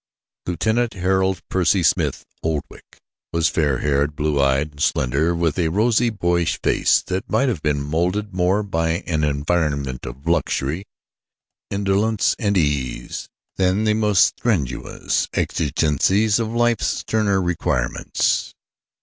Lieutenant Harold Percy Smith Oldwick was fair haired, blue eyed, and slender, with a rosy, boyish face that might have been molded more by an environment of luxury, indolence, and ease than the more strenuous exigencies of life's sterner requirements.